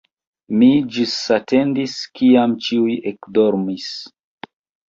Mi ĝisatendis, kiam ĉiuj ekdormis.